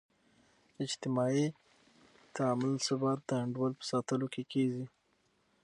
اجتماعي تعاملثبات د انډول په ساتلو کې کیږي.